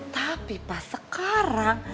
tapi pak sekarang